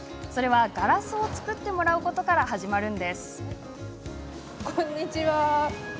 それはガラスを作ってもらうことから始まるんです。